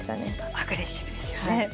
アグレッシブですよね。